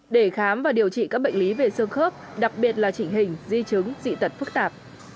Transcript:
để khám và điều trị các bệnh lý về xương khớp đặc biệt là chỉnh hình di chứng dị tật phức tạp